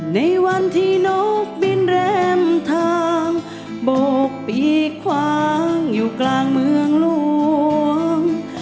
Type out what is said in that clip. ในวันที่นกบินแรมทางโบกปีกคว้างอยู่กลางเมืองหลวง